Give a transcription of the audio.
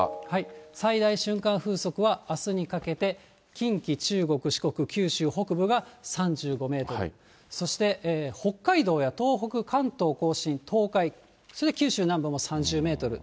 最大瞬間風速はあすにかけて近畿、中国、四国、九州北部が３５メートル、そして北海道や東北、関東甲信、東海、九州南部も３０メートル。